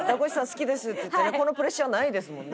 好きですって言ってこのプレッシャーないですもんね。